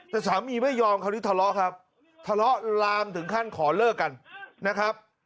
แต่สามีไม่ยอมคราวนี้ทะเลาะครับทะเลาะลามถึงขั้นขอเลิกกันนะครับ